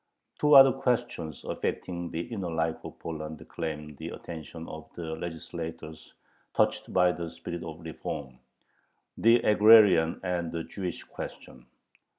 Two other questions affecting the inner life of Poland claimed the attention of the legislators touched by the spirit of reform: the agrarian and the Jewish question.